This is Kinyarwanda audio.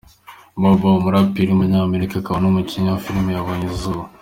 Bow Wow, umuraperi w’umunyamerika akaba n’umukinnyi wa filime yabonye izuba.